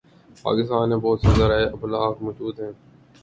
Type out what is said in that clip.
پاکستان میں بہت سے ذرائع ابلاغ موجود ہیں